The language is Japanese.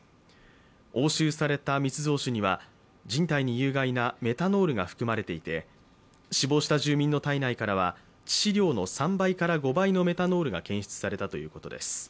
押収された密造酒には人体に有害なメタノールが含まれていて死亡した住民の体内からは致死量の３倍から５倍のメタノールが検出されたということです。